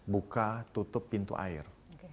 buka tutup pintu air